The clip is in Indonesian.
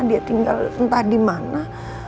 dia tinggal entah di mana